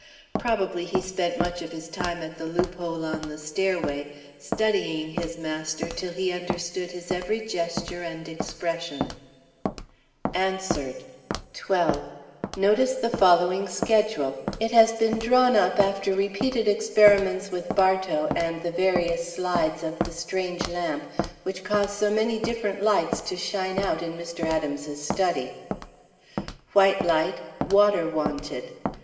Probably he spent much of his time at the loophole on the stairway, studying his master till he understood his every gesture and expression.] [Sidenote: Answered] 12. Notice the following schedule. It has been drawn up after repeated experiments with Bartow and the various slides of the strange lamp which cause so many different lights to shine out in Mr. Adams's study: White light Water wanted.